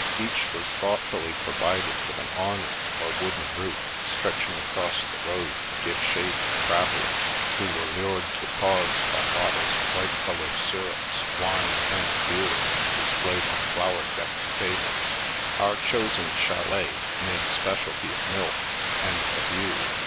Each was thoughtfully provided with an awning or wooden roof stretching across the road to give shade to travellers, who were lured to pause by bottles of bright coloured syrups, wine, and beer displayed on flower decked tables. Our chosen chalet made a specialty of milk, and a view.